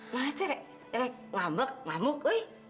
mana tere tere ngamuk ngamuk